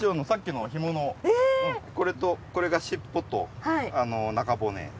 これとこれが尻尾と中骨。